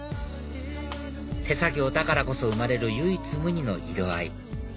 手作業だからこそ生まれる唯一無二の色合い